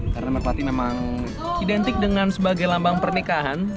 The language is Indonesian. karena merpati memang identik dengan sebagai lambang pernikahan